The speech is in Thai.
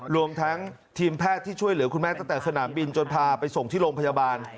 รวมทั้งทีมแพทย์ที่ช่วยเหลือคุณแม่ตั้งแต่สนามบินจนพาไปส่งที่โรงพยาบาล